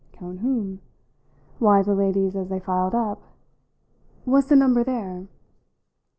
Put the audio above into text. "Count whom?" "Why, the ladies as they filed up. Was the number there?"